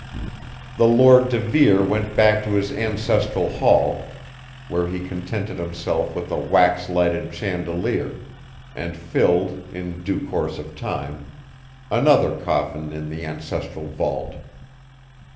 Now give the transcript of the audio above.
The Lord de Vere went back to his ancestral hall, where he contented himself with a wax lighted chandelier, and filled, in due course of time, another coffin in the ancestral vault.